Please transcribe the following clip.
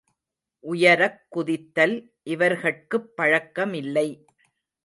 உயரக் குதித்தல் இவர்கட்குப் பழக்கமில்லை.